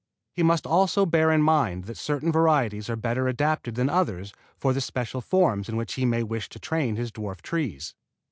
He must also bear in mind that certain varieties are better adapted than others for the special forms in which he may wish to train his dwarf trees.